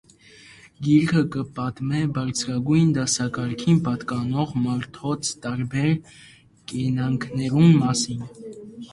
Գիքրը կը պատմէ բարձրագոյն դասակարգին պատկանող մարդոց տարբեր կեանքերուն մասին։